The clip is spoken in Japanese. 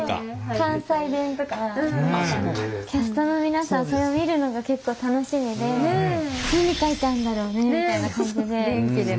関西弁とかキャストの皆さんそれを見るのが結構楽しみで何書いてあんだろうねみたいな感じで。